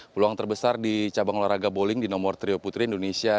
peluang terbesar di cabang olahraga bowling di nomor trio putri indonesia